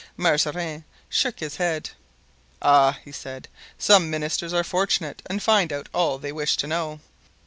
Mazarin shook his head. "Ah!" he said; "some ministers are fortunate and find out all that they wish to know."